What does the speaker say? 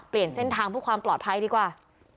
เส้นทางเพื่อความปลอดภัยดีกว่า